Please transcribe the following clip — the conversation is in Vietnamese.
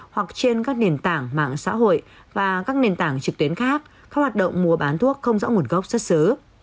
hoặc trên các nền tảng mạng xã hội và các nền tảng trực tuyến khác các hoạt động mua bán thuốc không rõ nguồn gốc xuất xứ